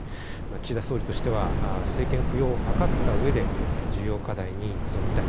岸田総理としては政権浮揚を図ったうえで重要課題に臨みたい。